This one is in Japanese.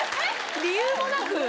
理由もなく？